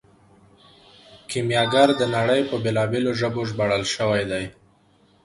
کیمیاګر د نړۍ په بیلابیلو ژبو ژباړل شوی دی.